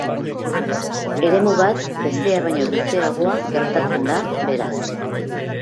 Eremu bat bestea baino luzeagoa gertatzen da, beraz.